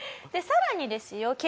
でさらにですよ